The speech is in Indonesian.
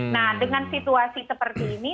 nah dengan situasi seperti ini